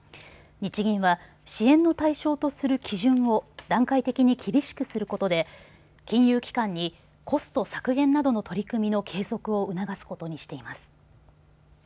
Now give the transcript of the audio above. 日銀は支援の対象とする基準を段階的に厳しくすることで金融機関にコスト削減などの取り組みの継続を促すことにしています。